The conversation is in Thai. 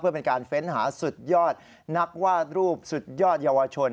เพื่อเป็นการเฟ้นหาสุดยอดนักวาดรูปสุดยอดเยาวชน